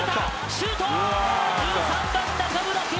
シュート！